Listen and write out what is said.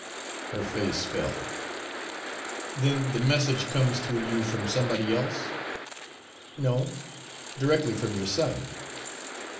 Her face fell. "Then the message comes through you from somebody else?" "No, directly from your son."